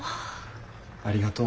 ありがとう。